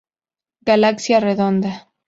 Galaxia Redonda.